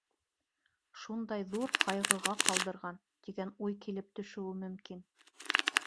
Шундай ҙур ҡайғыға ҡалдырған, тигән уй килеп төшөүе мөмкин.